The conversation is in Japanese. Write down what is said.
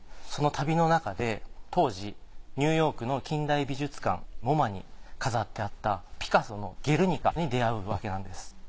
その旅のなかで当時ニューヨークの近代美術館ＭＯＭＡに飾ってあったピカソの『ゲルニカ』に出会うわけなんです。